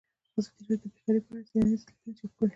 ازادي راډیو د بیکاري په اړه څېړنیزې لیکنې چاپ کړي.